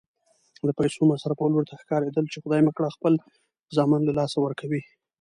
د پیسو مصرفول ورته ښکارېدل چې خدای مه کړه خپل زامن له لاسه ورکوي.